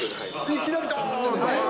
いきなりか。